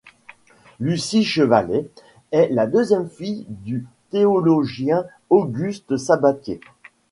Lucie Chevalley est la deuxième fille du théologien Auguste Sabatier.